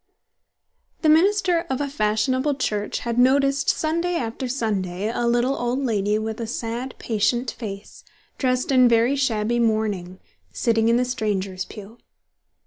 The minister of a fashionable church had noticed Sunday after Sunday a little old lady with a sad, patient face, dressed in very shabby mourning, sitting in the strangers' pew.